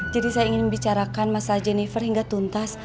jadi saya ingin membicarakan masa jennifer hingga tuntas